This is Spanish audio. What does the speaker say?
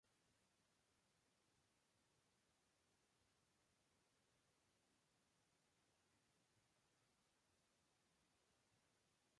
Algunos enemigos están equipados con armas que dañan significativamente a Batman.